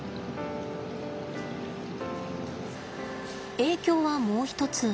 影響はもう一つ。